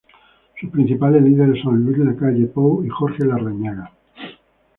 Sus principales líderes son Luis Lacalle Pou y Jorge Larrañaga.